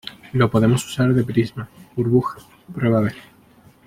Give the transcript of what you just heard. lo podemos usar de prisma. burbuja, prueba a ver .